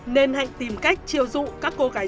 nên hạnh tìm cách chiêu dụ các cô gái